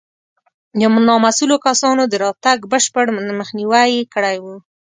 د نامسوولو کسانو د راتګ بشپړ مخنیوی یې کړی و.